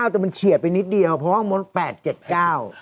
๖๗๙แต่มันเฉียบไปนิดเดียวเพราะว่ามศ๘๗๙